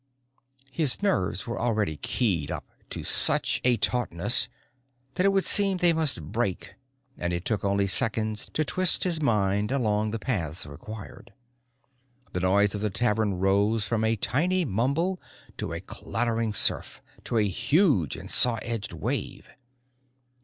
His nerves were already keyed up to such a tautness that it seemed they must break and it took only seconds to twist his mind along the paths required. The noise of the tavern rose from a tiny mumble to a clattering surf, to a huge and saw edged wave.